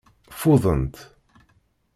Ffudent.